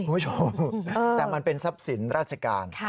โอ้โฮแต่มันเป็นทรัพย์ศิลป์ราชการ